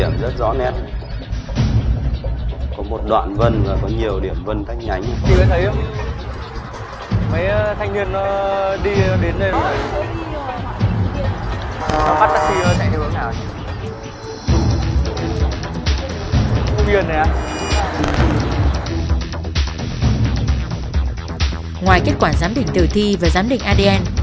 ngoài kết quả giám định tử thi và giám định adn